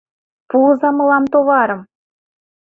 Пуыза мылам товарым!